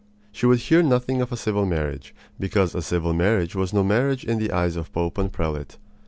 She would hear nothing of a civil marriage, because a civil marriage was no marriage in the eyes of Pope and prelate.